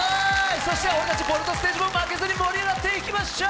そして、俺たちボルトステージも負けずに盛り上がっていきましょう！